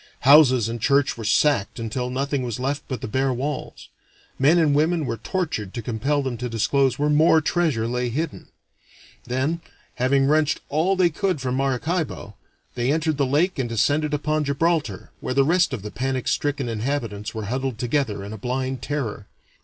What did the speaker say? Houses and churches were sacked until nothing was left but the bare walls; men and women were tortured to compel them to disclose where more treasure lay hidden. Then, having wrenched all that they could from Maracaibo, they entered the lake and descended upon Gibraltar, where the rest of the panic stricken inhabitants were huddled together in a blind terror.